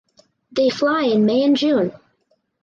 They fly in May and June.